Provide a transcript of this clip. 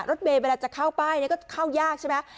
รถเมย์เวลาจะเข้าป้ายก็เข้ายากใช่ไหม